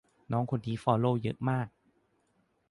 น้องคนนี้คนฟอลโลว์เยอะมาก